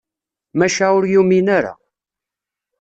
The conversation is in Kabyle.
Maca ur yumin ara.